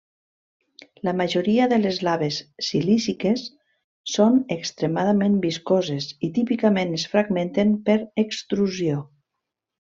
La majoria de les laves silíciques són extremadament viscoses i típicament es fragmenten per extrusió.